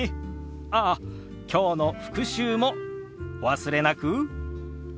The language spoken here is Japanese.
ああきょうの復習もお忘れなく。